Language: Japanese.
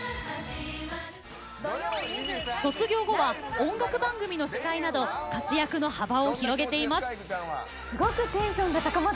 卒業後は音楽番組の司会など活躍の幅を広げています。